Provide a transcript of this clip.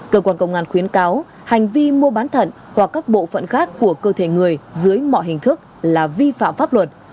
cơ quan công an khuyến cáo hành vi mua bán thận hoặc các bộ phận khác của cơ thể người dưới mọi hình thức là vi phạm pháp luật